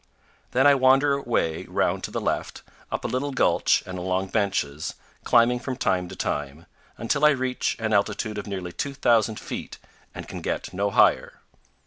Then I wander away around to the left, up a little gulch and along benches, climbing from time to time, until I reach an altitude of nearly 2,000 feet and can get no higher.